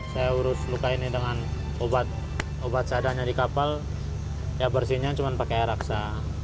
saya urus luka ini dengan obat sadanya di kapal ya bersihnya cuma pakai air raksa